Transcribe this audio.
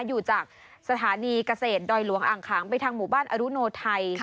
อยู่จากสถานีเกษตรดอยหลวงอ่างขางไปทางหมู่บ้านอรุโนไทย